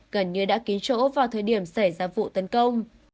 gần như đã ký chỗ vào thời điểm xảy ra vụ tấn công